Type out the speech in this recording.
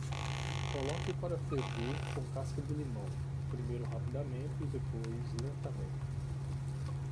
Coloque-o para ferver com casca de limão, primeiro rapidamente e depois lentamente.